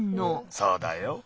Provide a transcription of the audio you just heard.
そうだよ。